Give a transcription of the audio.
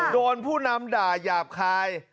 โดนผู้นำด่าหยาบคาย